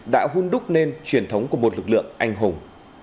đã hôn đúc nên truyền thống của một lực lượng anh hùng